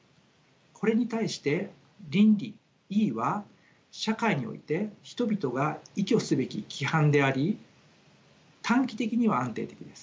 これに対して倫理は社会において人々が依拠すべき規範であり短期的には安定的です。